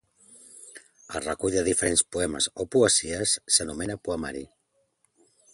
El recull de diferents poemes o poesies s'anomena poemari.